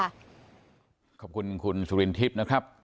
ขอบคุณคุณสุรินทิพย์นะครับ